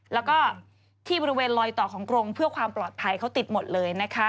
แล้วก็ที่บริเวณลอยต่อของกรงเพื่อความปลอดภัยเขาติดหมดเลยนะคะ